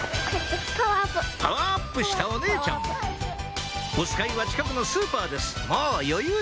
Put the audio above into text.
パワーアップしたお姉ちゃんおつかいは近くのスーパーですもう余裕です